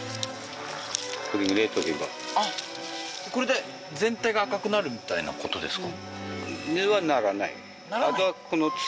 あっこれで全体が赤くなるみたいなことですか？